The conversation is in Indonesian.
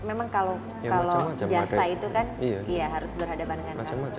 memang kalau jasa itu kan harus berhadapan dengan